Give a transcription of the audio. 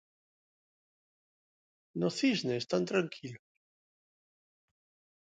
No Cisne están tranquilos.